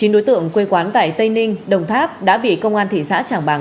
chín đối tượng quê quán tại tây ninh đồng tháp đã bị công an thị xã trảng bàng